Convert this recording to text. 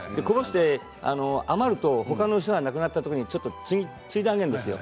こぼして余ると他の人がなくなった時にちょっとついであげるんですよ。